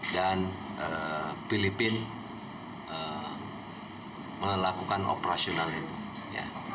dan filipina melakukan operasional itu